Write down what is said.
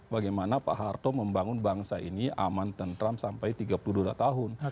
bagaimana pak harto membangun bangsa ini aman tentram sampai tiga puluh dua tahun